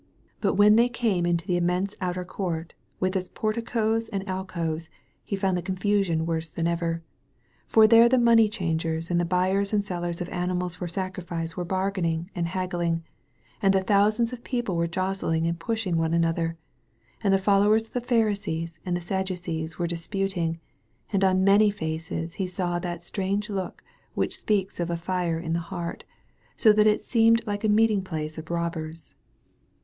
But when they came into the immense outer court, with its porticos and alcoves, he found the confusion worse than ever. For there the money changers and the buyers and sellers of animals for sacrifice were bargaining and haggling; and the thousands of people were jostling and pushing one another; and the followers of the Pharisees and the Sadducees were disputing; and on many faces he saw that strange look which speaks of a fire in the heart, so that it seemed like a meeting place of robbers.